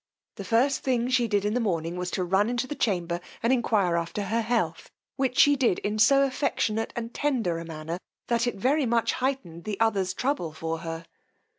The first thing she did in the morning was to run into the chamber and enquire after her health, which she did in so affectionate and tender a manner, that it very much heightened the other's trouble for her.